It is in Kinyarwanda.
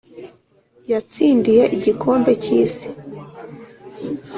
Yatsindiye igikombe cy’isi